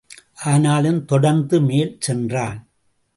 ஆனாலும் தொடர்ந்து மேல் சென்றான்.